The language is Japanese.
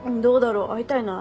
会いたいな。